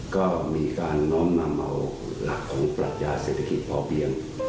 ก็มีการน้อมนำเอาหลักของปรัชญาเศรษฐกิจพอเพียง